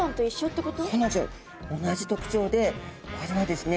同じ特徴でこれはですね